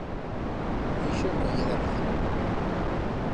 Ixo no ye de recibo!